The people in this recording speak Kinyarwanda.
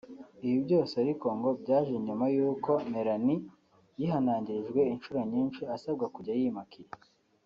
Ibi byose ariko ngo byaje nyuma y’uko Melanie yihanangirijwe inshuro nyinshi asabwa kujya yimakiya